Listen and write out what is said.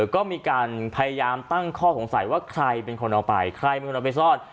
ก็มีการพยายามตั้งข้อสงสัยว่าใครเป็นคนเอาไปใครเป็นคนเอาไปซ่อน